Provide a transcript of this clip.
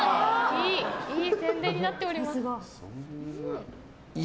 いい宣伝になっております。